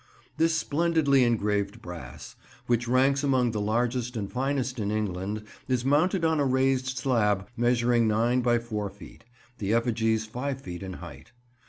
[Picture: "Beggarly Broom"] This splendidly engraved brass, which ranks among the largest and finest in England, is mounted on a raised slab measuring nine by four feet; the effigies five feet in height.